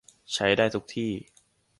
ใช้ได้ทุกที่